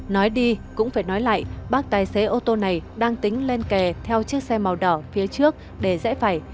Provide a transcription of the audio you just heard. nói đi cũng phải nói lại bác tài xế ô tô này đang tính lên kè theo chiếc xe màu đỏ phía trước để rẽ phải